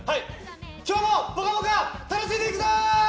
今日も「ぽかぽか」楽しんでいくぞー！